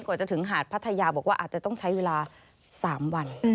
กว่าจะถึงหาดพัทยาบอกว่าอาจจะต้องใช้เวลา๓วัน